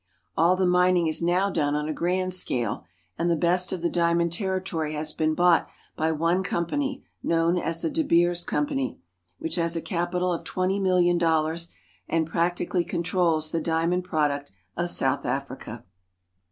All the mining is now on a grand scale ; and the best of the diamond ter ritory has been bought by one com pany, known as the De Beers Company, which has a capital of twenty milUon dollars, and practi cally controls the diamond product of South Africa.